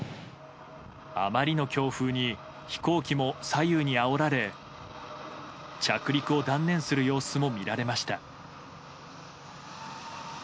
あまりの強風に飛行機も左右にあおられ着陸を断念する様子も見られました。